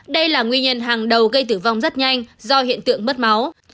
đây là nguyên nhân hàng đầu gây tử vong rất nhanh do hiện tượng mất máu